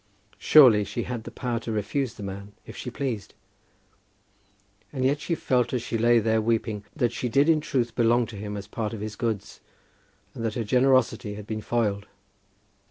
Surely she had the power to refuse the man if she pleased. And yet she felt as she lay there weeping that she did in truth belong to him as part of his goods, and that her generosity had been foiled.